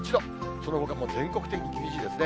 そのほかも全国的に厳しいですね。